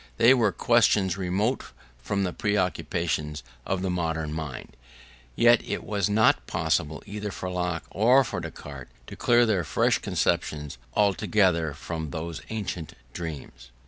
They were questions remote from the preoccupations of the modern mind; yet it was not possible either for Locke or for Descartes to clear their fresh conceptions altogether from those ancient dreams.